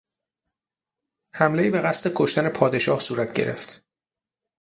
حملهای به قصد کشتن پادشاه صورت گرفت.